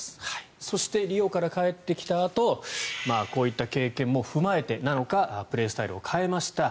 そしてリオから帰ってきたあとこういった経験も踏まえてなのかプレースタイルを変えました。